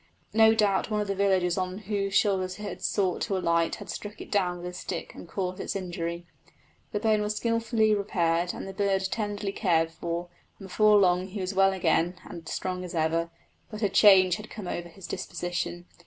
No doubt one of the villagers on whose shoulders it had sought to alight, had struck it down with his stick and caused its injury. The bone was skilfully repaired and the bird tenderly cared for, and before long he was well again and strong as ever; but a change had come over his disposition.